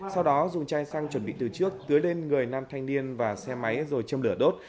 sau đó dùng chai xăng chuẩn bị từ trước tới lên người nam thanh niên và xe máy rồi châm lửa đốt